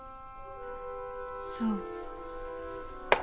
そう。